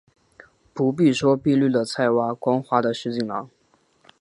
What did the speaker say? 不必说碧绿的菜畦，光滑的石井栏